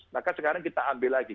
maka sekarang kita ambil lagi